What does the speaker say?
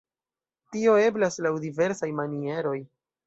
Tio eblas laŭ diversaj manieroj.